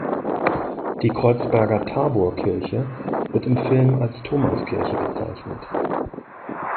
Die Kreuzberger Taborkirche wird im Film als Thomaskirche bezeichnet.